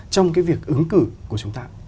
trong cái việc ứng cử của chúng ta